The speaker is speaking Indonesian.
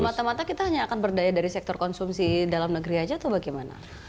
semata mata kita hanya akan berdaya dari sektor konsumsi dalam negeri aja atau bagaimana